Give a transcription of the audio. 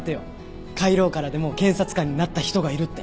下位ローからでも検察官になった人がいるって。